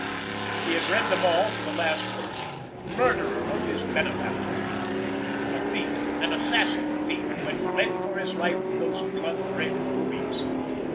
He had read them all to the last word. Murderer of his benefactor! A thief—an assassin thief, who had fled for his life with those blood red rubies!